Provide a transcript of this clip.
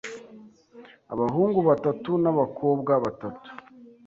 abahungu batatu n’abakobwa batatu,